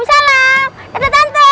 kom salam tata tante